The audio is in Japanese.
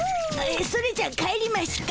それじゃあ帰りますか。